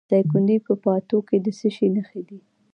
د دایکنډي په پاتو کې د څه شي نښې دي؟